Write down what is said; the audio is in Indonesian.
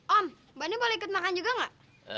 om bani boleh ikut makan juga gak